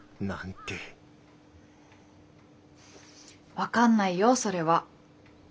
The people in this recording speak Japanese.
分かんないよそれは。